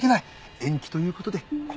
延期という事で。